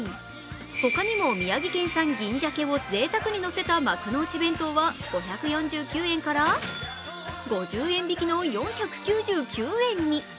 ほかにも宮城県産銀ざけをぜいたくにのせた幕の内弁当は５４９円から５０円引きの４９９円に。